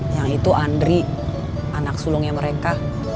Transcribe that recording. yang itu andri anak sulungnya mereka